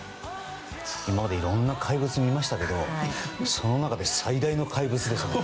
今までいろんな怪物を見ましたけどその中で最大の怪物ですね。